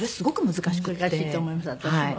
難しいと思います私も。